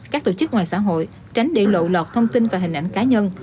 các tổ chức ngoài xã hội tránh để lộ lọt thông tin và hình ảnh cá nhân